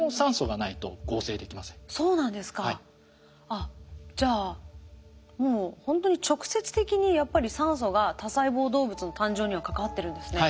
あっじゃあもうほんとに直接的にやっぱり酸素が多細胞動物の誕生には関わってるんですね。